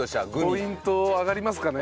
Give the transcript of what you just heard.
ポイント上がりますかね？